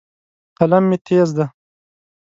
قلم مې تیز دی.